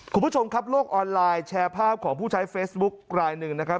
คุณผู้ชมครับโลกออนไลน์แชร์ภาพของผู้ใช้เฟซบุ๊คลายหนึ่งนะครับ